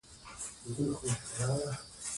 انري بکرېل د یورانیم وړانګې مطالعه کړې.